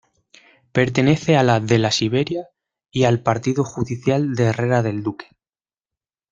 Pertenece a la de La Siberia y al Partido judicial de Herrera del Duque.